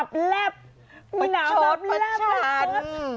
หนาวตับแลบหนาวตับแลบ